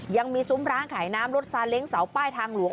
ซุ้มร้านขายน้ำรถซาเล้งเสาป้ายทางหลวง